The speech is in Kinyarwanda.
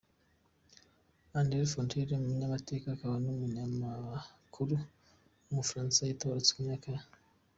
André Fontaine, umunyamateka akaba n’umunyamakuru w’umufaransa, yaratabarutse ku myaka .